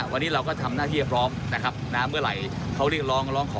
วันนี้เราก็ทำหน้าที่พร้อมนะครับนะเมื่อไหร่เขาเรียกร้องร้องขอ